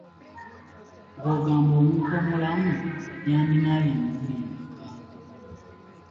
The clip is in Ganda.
Gwe ogamba omuntu omulamu olunaku yandinaabye emirundi emeka?